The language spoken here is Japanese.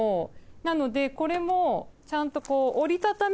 なのでこれもちゃんとこう。